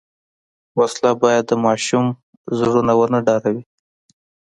وسله باید د ماشوم زړونه ونه ډاروي